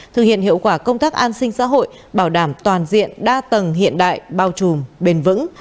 thực hiện hiệu quả công tác an sinh xã hội bảo đảm toàn diện đa tầng hiện đại bao trùm bền vững